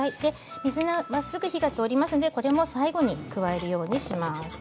水菜、すぐに火が通りますのでこれも最後に加えるようにします。